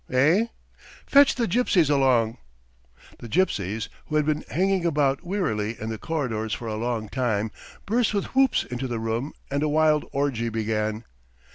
Eh? Fetch the gypsies along!" The gypsies, who had been hanging about wearily in the corridors for a long time, burst with whoops into the room, and a wild orgy began.